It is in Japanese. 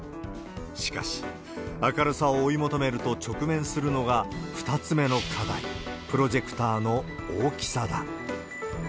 しかし、明るさを追い求めると直面するのが、２つ目の課題、プロジェクターの大きさだ。